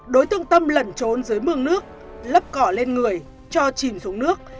đối tượng tâm lẩn trốn dưới mương nước lấp cỏ lên người cho chìm xuống nước